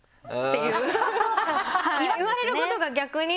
言われることが逆に。